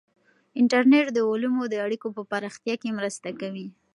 انټرنیټ د علومو د اړیکو په پراختیا کې مرسته کوي.